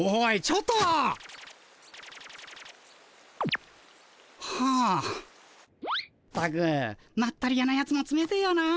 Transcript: ったくまったり屋のやつもつめてえよな。